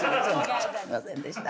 すいませんでした。